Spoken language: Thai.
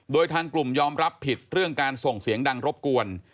โดยทางกลุ่มยอมรับผิดเรื่องการส่งเสียงดังรบกวน